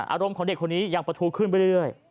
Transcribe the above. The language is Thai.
อารมณ์ของเด็กคนนี้ยังประทูขึ้นไปเรื่อย